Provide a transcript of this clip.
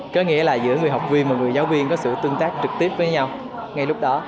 có nghĩa là giữa người học viên và người giáo viên có sự tương tác trực tiếp với nhau ngay lúc đó